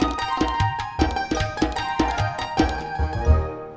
kira kira dong bal motor